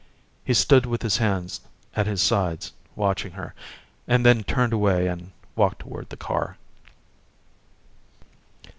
He stood with his hands at his sides, watching her. And then turned away and walked toward the car.